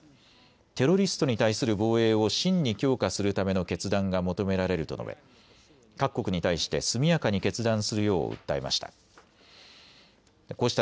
テロリストに対する防衛を真に強化するための決断が求められると述べ各国に対して速やかに決断するよう訴えました。